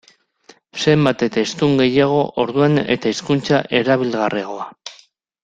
Zenbat eta hiztun gehiago, orduan eta hizkuntza erabilgarriagoa.